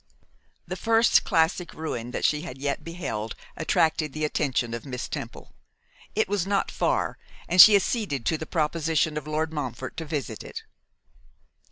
The first classic ruin that she had yet beheld attracted the attention of Miss Temple. It was not far, and she acceded to the proposition of Lord Montfort to visit it.